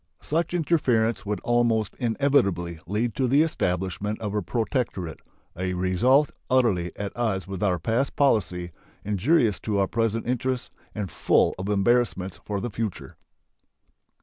Such interference would almost inevitably lead to the establishment of a protectorate a result utterly at odds with our past policy, injurious to our present interests, and full of embarrassments for the future.